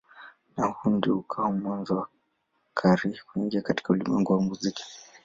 Na huu ndio ukawa mwanzo wa Carey kuingia katika ulimwengu wa muziki.